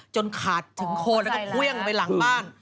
ขาดถึงโคนแล้วก็เครื่องไปหลังบ้าน